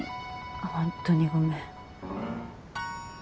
本当にごめん。